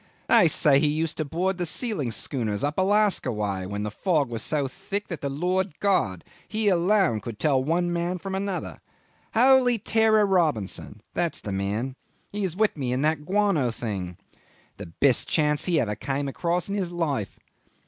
They say he used to board the sealing schooners up Alaska way when the fog was so thick that the Lord God, He alone, could tell one man from another. Holy Terror Robinson. That's the man. He is with me in that guano thing. The best chance he ever came across in his life."